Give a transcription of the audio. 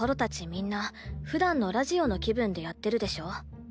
みんなふだんのラジオの気分でやってるでしょ。